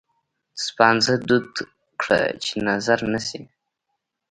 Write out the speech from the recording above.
سپانځه دود کړه چې نظره نه شي.